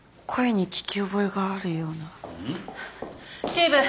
・警部！